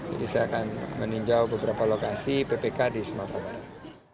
jadi saya akan meninjau beberapa lokasi ppk di sumatera barat